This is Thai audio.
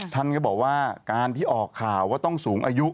ท่านก็บอกว่าการที่ออกข่าวว่าต้องสูงอายุ